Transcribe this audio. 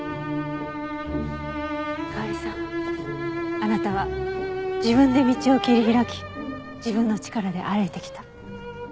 あなたは自分で道を切り開き自分の力で歩いてきた。